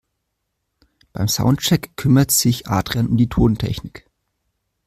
Beim Soundcheck kümmert sich Adrian um die Tontechnik.